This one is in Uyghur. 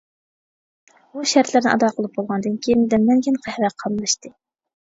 بۇ شەرتلەرنى ئادا قىلىپ بولغاندىن كىيىن دەملەنگەن قەھۋە قاملاشتى.